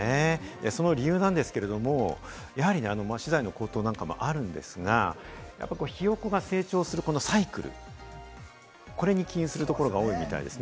その理由なんですけれども、資材の高騰なんかもあるんですが、ヒヨコが成長するこのサイクル、これに起因するところが多いみたいです。